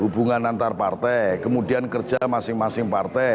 hubungan antar partai kemudian kerja masing masing partai